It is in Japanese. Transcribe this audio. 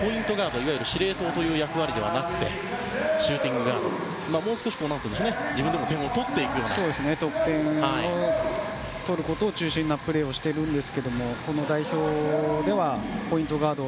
いわゆる司令塔という役割ではなくてシューティングガードというもう少し得点を取ることが中心なプレーをしているんですけど代表ではポイントガード